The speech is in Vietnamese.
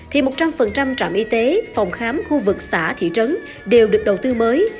thì một trăm linh trạm y tế phòng khám khu vực xã thị trấn đều được đầu tư mới